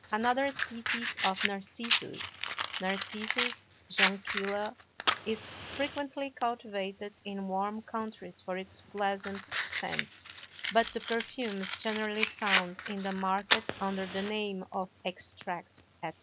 Another species of Narcissus (Narcissus Jonquilla) is frequently cultivated in warm countries for its pleasant scent; but the perfumes generally found in the market under the name of Extract, etc.